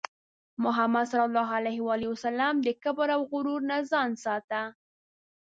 محمد صلى الله عليه وسلم د کبر او غرور نه ځان ساته.